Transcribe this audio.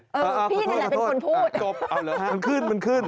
พี่นั่นแหละเป็นคนพูดจบเอาเหรอฮะมันขึ้นมันขึ้น